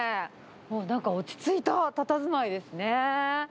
なんか落ち着いたたたずまいですね。